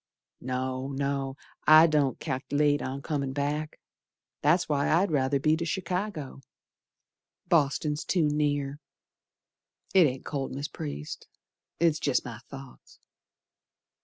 No, no, I don't cal'late on comin' back, That's why I'd ruther be to Chicago, Boston's too near. It ain't cold, Mis' Priest, It's jest my thoughts.